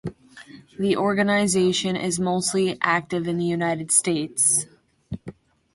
The organization is mostly active in the United States.